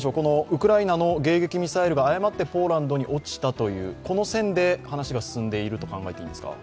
ウクライナの迎撃ミサイルが誤ってポーランドに落ちたというこの線で話が進んでいると考えていいんですか。